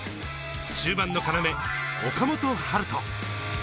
中盤の要、岡本温叶。